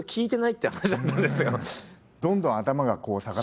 どんどん頭がこう下がって。